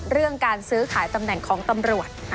เรื่องการซื้อขายตำแหน่งของตำรวจ